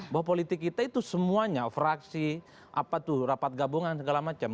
bahwa politik kita itu semuanya fraksi apa tuh rapat gabungan segala macam